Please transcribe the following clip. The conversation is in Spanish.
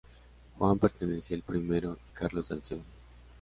Juan pertenecía al primero y Carlos al segundo.